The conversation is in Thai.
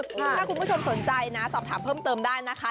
ถ้าคุณผู้ชมสนใจนะสอบถามเพิ่มเติมได้นะคะ